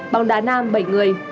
bóng đá nam bảy người